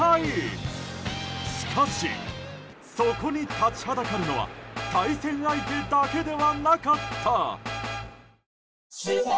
しかし、そこに立ちはだかるのは対戦相手だけではなかった。